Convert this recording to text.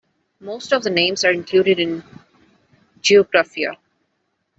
Most of the names are included in "Geographia".